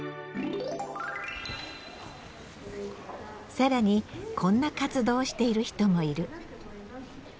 更にこんな活動をしている人もいる。